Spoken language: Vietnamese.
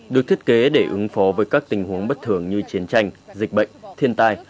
được thiết kế để ứng phó với các tình huống bất thường như chiến tranh dịch bệnh thiên tai